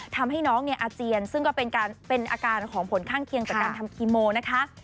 ทำให้น้องเนี่ยอาเจียนซึ่งก็เป็นอาการของผลข้างเคียงจากการทำคีโมนะคะ